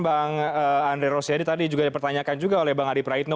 bang andre rosiade tadi juga dipertanyakan juga oleh bang adi praitno